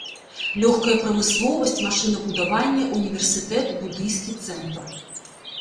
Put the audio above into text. Лёгкая прамысловасць, машынабудаванне, універсітэт, будыйскі цэнтр.